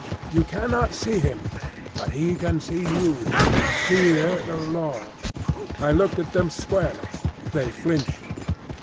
You cannot see him, but he can see you. Fear the Law!" I looked at them squarely. They flinched.